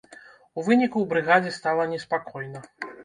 У выніку ў брыгадзе стала неспакойна.